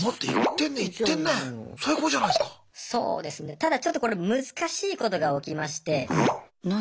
ただちょっとこれ難しいことが起きまして。